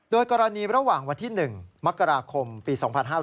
โดยกรณีระหว่างวันที่๑มกราคมปี๒๕๕๙